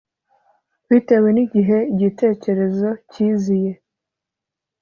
bitewe n’igihe igitekerezo kiziye